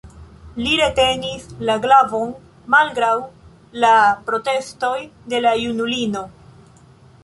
Li retenis la glavon malgraŭ la protestoj de la junulino.